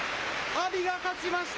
阿炎が勝ちました！